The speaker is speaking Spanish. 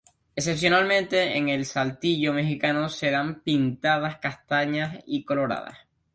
Excepcionalmente, en el saltillo mexicano, se dan pintas castañas y coloradas.